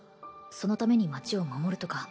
そのために町を守るとか